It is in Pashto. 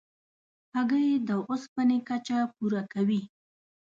هګۍ د اوسپنې کچه پوره کوي.